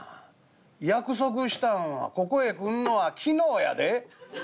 約束したんはここへ来んのは昨日やで？」。